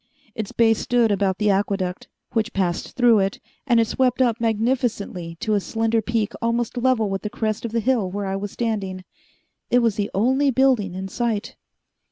Its base stood about the aqueduct, which passed through it, and it swept up magnificently to a slender peak almost level with the crest of the hill where I was standing. It was the only building in sight.